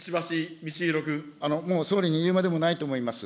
もう総理に言うまでもないと思います。